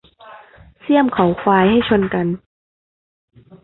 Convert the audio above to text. เสี้ยมเขาควายให้ชนกัน